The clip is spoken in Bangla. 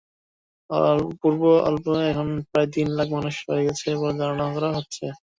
পূর্ব আলেপ্পোয় এখনো প্রায় তিন লাখ মানুষ রয়ে গেছে বলে ধারণা করা হচ্ছে।